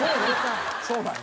そうなん？